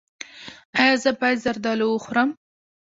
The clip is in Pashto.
ایا زه باید زردالو وخورم؟